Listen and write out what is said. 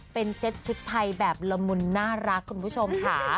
เป็นเซตชุดไทยแบบละมุนน่ารักคุณผู้ชมค่ะ